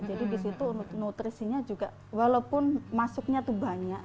jadi disitu nutrisinya juga walaupun masuknya banyak